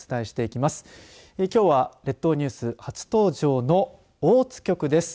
きょうは列島ニュース初登場の大津局です。